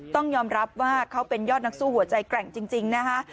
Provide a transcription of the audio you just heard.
ต้องยอมรับว่าเขาเป็นยอดนักสู้หัวใจแกร่งจริงนะคะ